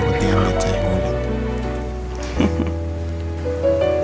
berarti anda cahaya mulut